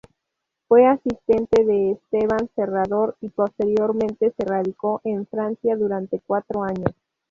Fue asistente de Esteban Serrador y posteriormente se radicó en Francia durante cuatro años.